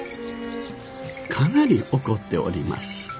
かなり怒っております。